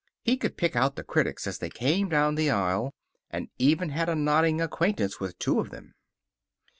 He could pick out the critics as they came down the aisle, and even had a nodding acquaintance with two of them.